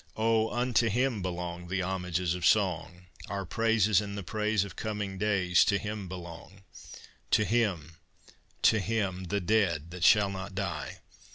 Oh, unto him belong The homages of Song; Our praises and the praise Of coming days To him belong To him, to him, the dead that shall not die!